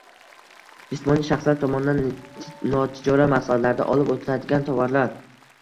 Jismoniy shaxslar tomonidan notijorat maqsadlarda olib o’tiladigan tovarlar